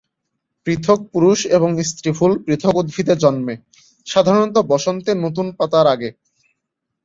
পৃথক পুরুষ এবং স্ত্রী ফুল পৃথক উদ্ভিদে জন্মে, সাধারণত বসন্তে নতুন পাতার আগে।